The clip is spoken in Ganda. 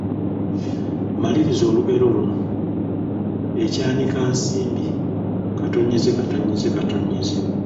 Maliriza olugero luno: Ekyanika nsimbi, ……